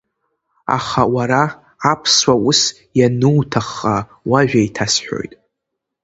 Аха уара, Аԥсуа, ус иануҭахха уажәа еиҭасҳәоит.